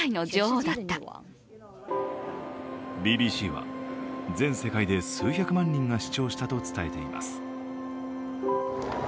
ＢＢＣは全世界で数百万人が視聴したと伝えています。